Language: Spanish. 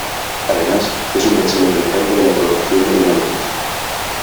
Además, es un best-seller en el campo de la programación de ordenadores.